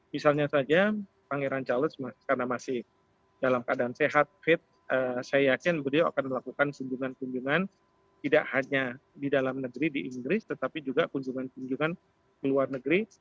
misalnya saja pangeran charles karena masih dalam keadaan sehat fit saya yakin beliau akan melakukan kunjungan kunjungan tidak hanya di dalam negeri di inggris tetapi juga kunjungan kunjungan ke luar negeri